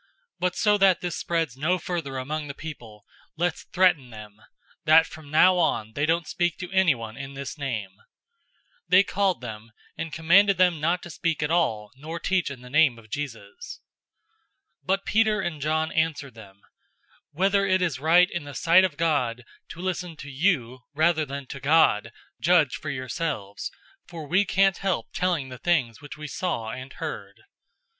004:017 But so that this spreads no further among the people, let's threaten them, that from now on they don't speak to anyone in this name." 004:018 They called them, and charged them not to speak at all nor teach in the name of Jesus. 004:019 But Peter and John answered them, "Whether it is right in the sight of God to listen to you rather than to God, judge for yourselves, 004:020 for we can't help telling the things which we saw and heard."